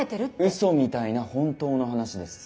うそみたいな本当の話です。